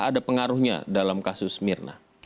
ada pengaruhnya dalam kasus mirna